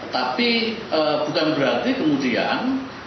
tapi bukan berarti kemudian